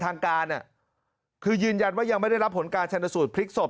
ทางการคือยืนยันว่ายังไม่ได้รับผลการชนสูตรพลิกศพ